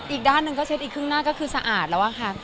อีกด้านหนึ่งก็เช็ดอีกครึ่งหน้าก็คือสะอาดแล้วอะค่ะ